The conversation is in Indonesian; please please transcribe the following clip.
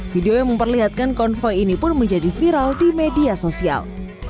video yang memperlihatkan konvoy ini pun menjadi viral di media sosial